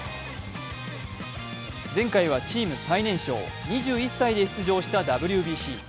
前回はチーム最年少２１歳で出場したＷＢＣ。